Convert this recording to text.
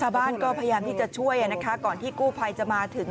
บ้านก็พยายามที่จะช่วยก่อนที่กู้ภัยจะมาถึง